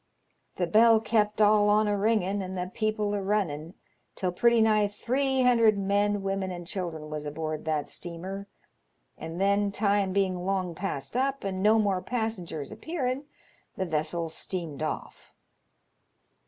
The bell kept all 148 'LONGSEOREMAirS YABNS. on a ringin', and the people a runnin', till pretty nigh three hundred men, women, and children was aboard that steamer, and then time being long past up, and no more passengers appearing the vessel steamed oflF.